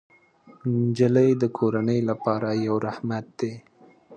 نجلۍ د کورنۍ لپاره یو رحمت دی.